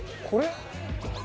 これ？